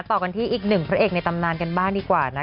ต่อกันที่อีกหนึ่งพระเอกในตำนานกันบ้างดีกว่านะ